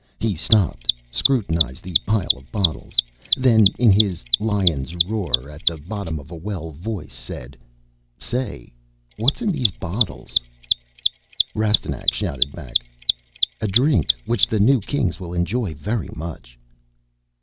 He stopped, scrutinized the pile of bottles, then, in his lion's roar at the bottom of a well voice said, "Say, what's in these bottles?" Rastignac shouted back, "A drink which the new Kings will enjoy very much."